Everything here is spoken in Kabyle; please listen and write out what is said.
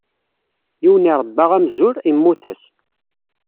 Yiwen irebba amzur, immut-as.